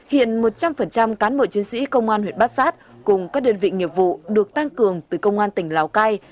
hiện một trăm linh cán bộ chiến sĩ công an huyện bát sát cùng các đơn vị nghiệp vụ được tăng cường từ công an tỉnh lào cai